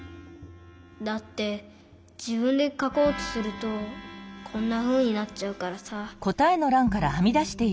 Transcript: だってじぶんでかこうとするとこんなふうになっちゃうからさ。